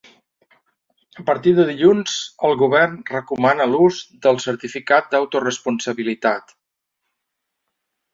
A partir de dilluns el govern recomana l’ús del certificat d’autoresponsabilitat.